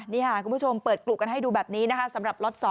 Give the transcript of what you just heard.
นี่ค่ะคุณผู้ชมเปิดกลุ่มกันให้ดูแบบนี้นะคะสำหรับล็อต๒